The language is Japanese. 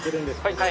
はい。